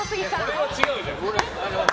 これは違うじゃん。